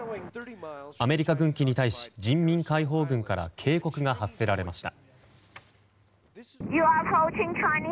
アメリカ軍機に関し人民解放軍から警告が発せられました。